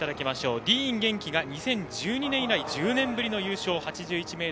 ディーン元気が２０１２年以来１０年ぶりの優勝。